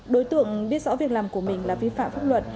đối tượng biết rõ việc làm của mình là vi phạm pháp luật